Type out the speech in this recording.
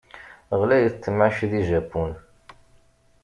Ɣlayet temɛict di Japan.